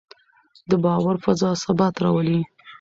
د باور فضا ثبات راولي